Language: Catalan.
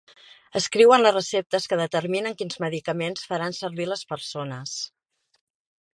Escriuen les receptes que determinen quins medicaments faran servir les persones.